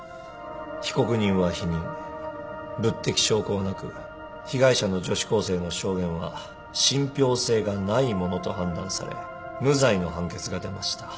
物的証拠はなく被害者の女子高生の証言は信ぴょう性がないものと判断され無罪の判決が出ました。